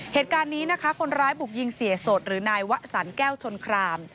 เหตุการณ์นี้นะคะคนร้ายบุกยิงเสียสดหรือนายวะสันแก้วชนคราม